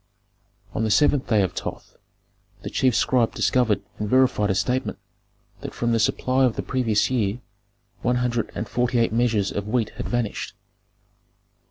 "On the seventh day of Thoth the chief scribe discovered and verified a statement that from the supply of the previous year one hundred and forty eight measures of wheat had vanished.